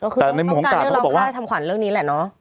ก็คือการเลือกรองท่าชำขวัญเรื่องนี้แหละเนอะ